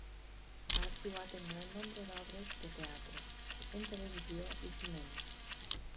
Ha actuat en gran nombre d'obres de teatre, en televisió i cinema.